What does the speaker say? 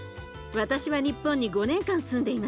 私は日本に５年間住んでいました。